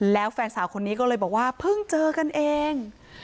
แล้วแฟนสาวคนนี้ก็เลยบอกว่าเพิ่งเจอกันเอง